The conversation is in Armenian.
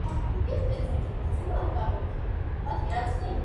Նույնիսկ նոր կառուցված բնակարաններն էլ հին տների հիմքերի վրա են կառուցել։